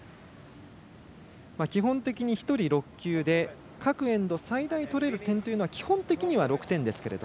基本的に１人６球で各エンド最大取れる点というのは基本的には６点ですけど。